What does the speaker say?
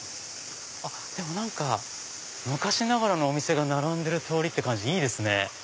あっでも何か昔ながらのお店が並んでる通りって感じでいいですね。